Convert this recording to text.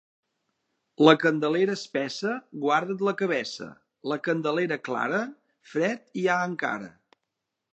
La Candelera espessa, guarda't la cabeça; la Candelera clara, fred hi ha encara.